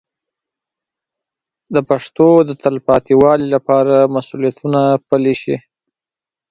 د پښتو د تلپاتې والي لپاره مسوولیتونه پلي شي.